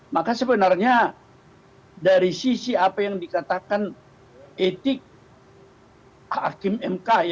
maka sebenarnya dari sisi apa yang dikatakan etik hakim mk